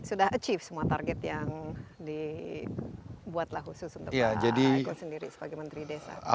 sudah achieve semua target yang dibuatlah khusus untuk pak eko sendiri sebagai menteri desa